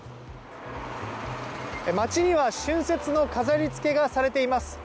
街には春節の飾り付けがされています。